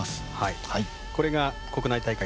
これが国内大会